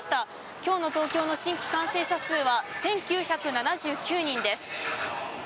今日の東京の新規感染者数は１９７９人です。